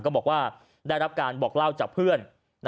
ก็บอกว่าได้รับการบอกเล่าจากเพื่อน